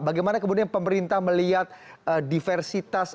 bagaimana kemudian pemerintah melihat diversitas